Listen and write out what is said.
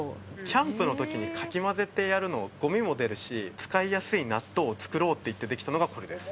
キャンプの時にかき混ぜてやるのゴミも出るし使いやすい納豆を作ろうっていってできたのがこれです